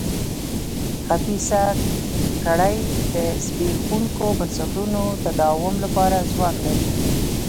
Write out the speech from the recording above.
خبیثه کړۍ د زبېښونکو بنسټونو تداوم لپاره ځواک لري.